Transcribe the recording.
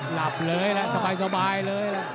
หลับเลยแหละสบายเลย